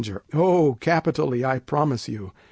Oh, capitally, I promise you.